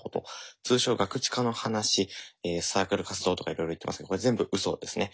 通称ガクチカの話サークル活動とかいろいろ言ってますけどこれ全部うそですね。